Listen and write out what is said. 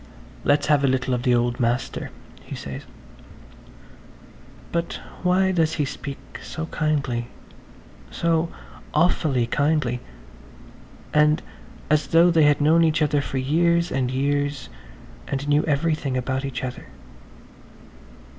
"Let's have a little of the old master," he says. But why does he speak so kindly–so awfully kindly–and as though they had known each other for years and years and knew everything about each other.